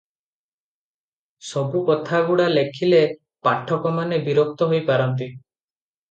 ସବୁ କଥାଗୁଡ଼ା ଲେଖିଲେ ପାଠକମାନେ ବିରକ୍ତ ହୋଇପାରନ୍ତି